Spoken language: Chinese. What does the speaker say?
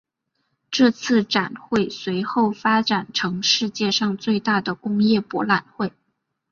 这次展会随后发展成世界上最大的工业博览会。